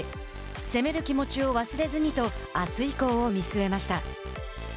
攻める気持ちを忘れずにとあす以降を見据えました。